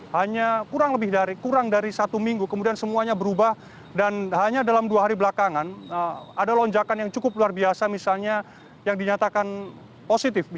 hanya kurang lebih kurang dari satu minggu kemudian semuanya berubah dan hanya dalam dua hari belakangan ada lonjakan yang cukup luar biasa misalnya yang dinyatakan positif